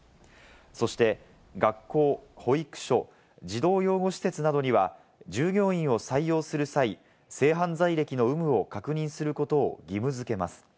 そして、学校、保育所、児童養護施設などには、従業員を採用する際、性犯罪歴の有無を確認することを義務付けます。